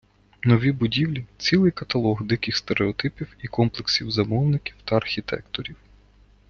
Нові будівлі – цілий каталог диких стереотипів і комплексів замовників та архітекторів.